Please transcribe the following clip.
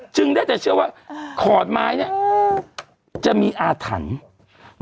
ได้แต่เชื่อว่าขอนไม้เนี่ยจะมีอาถรรพ์